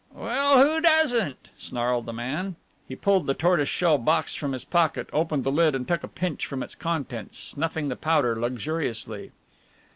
"Well, who doesn't?" snarled the man. He pulled the tortoiseshell box from his pocket, opened the lid and took a pinch from its contents, snuffling the powder luxuriously.